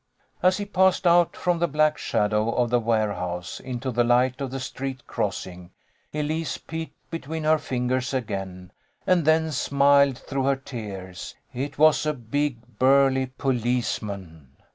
As he passed out from the black shadow of the warehouse, into the light of the street crossing, Elise peeped between her fingers again, and then smiled through her tears. It was a big, burly policeman.